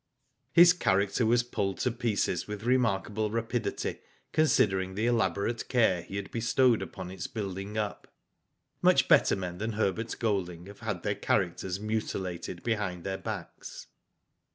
His character was pulled to pieces with re markable rapidity considering the elaborate care he had bestowed upon its building up. Much better men than Herbert Golding have had their characters mutilated behind their backs.